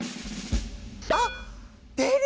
あっ！